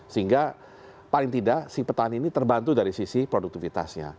sehingga paling tidak si petani ini terbantu dari sisi produktivitasnya